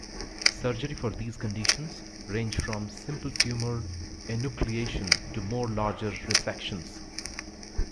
Surgery for these conditions range from simple tumor enucleation to more larger resections.